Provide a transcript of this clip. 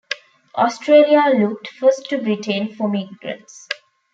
Australia looked first to Britain for migrants.